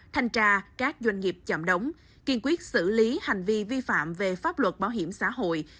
thanh tra các doanh nghiệp chậm đóng kiên quyết xử lý hành vi vi phạm về pháp luật bảo hiểm xã hội